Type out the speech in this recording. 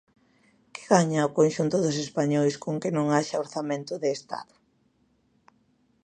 ¿Que gaña o conxunto dos españois con que non haxa orzamento de Estado?